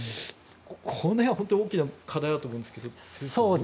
この辺は本当に大きな課題だと思うんですが。